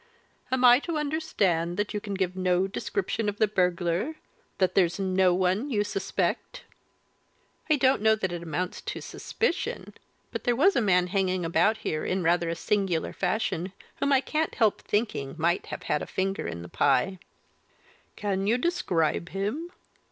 "Am I to understand that you can give no description of the burglar that there's no one you suspect?" "I don't know that it amounts to suspicion but there was a man hanging about here in rather a singular fashion whom I can't help thinking might have had a finger in the pie." "Can you describe him?"